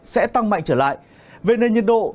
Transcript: sẽ tăng mạnh trở lại về nền nhiệt độ